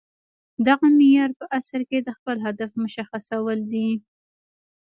دغه معیار په اصل کې د خپل هدف مشخصول دي